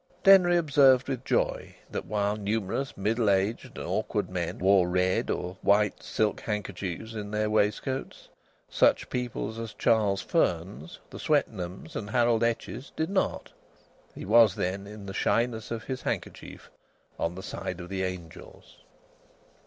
Denry observed with joy that, while numerous middle aged and awkward men wore red or white silk handkerchiefs in their waistcoats, such people as Charles Fearns, the Swetnams, and Harold Etches did not. He was, then, in the shyness of his handkerchief, on the side of the angels.